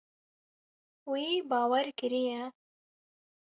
Wî bawer kiriye.